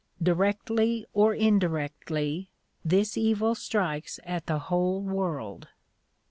Directly or indirectly, this evil strikes at the whole world.